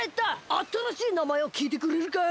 あたらしいなまえをきいてくれるかい？